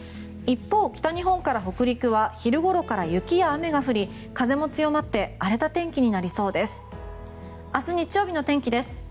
一方、北日本から北陸は昼ごろから雪や雨が降り風も強まって荒れた天気になりそうです。